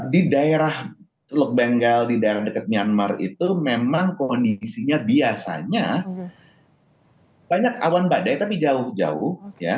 di daerah teluk benggal di daerah dekat myanmar itu memang kondisinya biasanya banyak awan badai tapi jauh jauh